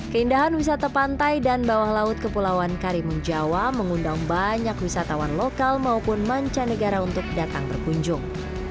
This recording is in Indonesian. keindahan wisata pantai dan bawah laut kepulauan karimun jawa mengundang banyak wisatawan lokal maupun mancanegara untuk datang berkunjung